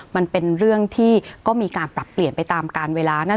มันเป็นเรื่องที่ก็มีการปรับเปลี่ยนไปตามการเวลานั่น